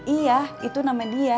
iya itu nama dia